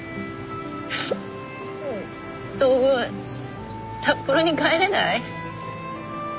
当分札幌に帰れない？